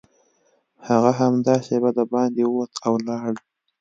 هغه همدا شېبه دباندې ووت او لاړ